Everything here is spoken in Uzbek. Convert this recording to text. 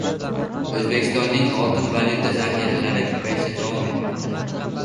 O‘zbekistonning oltin-valyuta zaxiralari ko‘payishda davom etmoqda